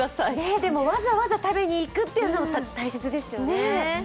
でもわざわざ食べに行くっていうのも大切ですよね。